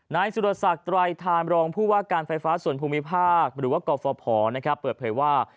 นายสุรศักดิ์ไตรทานรองผู้ว่าการไฟฟ้าส่วนภูมิภาคหรือว่ากฟภเปิดเผยว่า